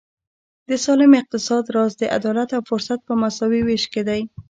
د سالم اقتصاد راز د عدالت او فرصت په مساوي وېش کې دی.